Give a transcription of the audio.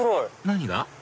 何が？